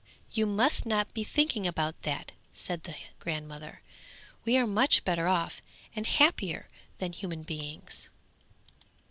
'You must not be thinking about that,' said the grandmother; 'we are much better off and happier than human beings.'